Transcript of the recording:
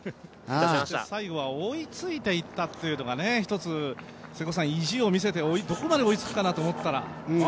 最後は追いついていったというのが、意地をみせてどこまで追いつくかなと思ったら。